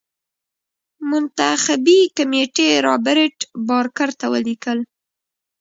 منتخبي کمېټې رابرټ بارکر ته ولیکل.